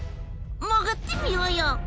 潜ってみようよ！